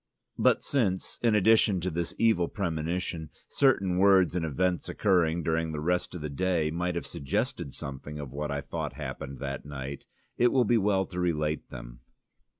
But since, in addition to this evil premonition, certain words and events occurring during the rest of the day might have suggested something of what I thought happened that night, it will be well to relate them.